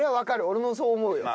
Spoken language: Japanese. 俺もそう思うよ。